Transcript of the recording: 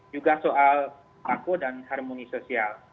juga soal baku dan harmoni sosial